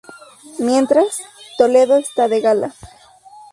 Mientras, Toledo está de gala.